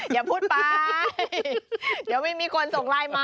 อย่าพูดไปเดี๋ยวไม่มีคนส่งไลน์มา